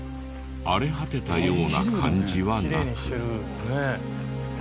荒れ果てたような感じはなく。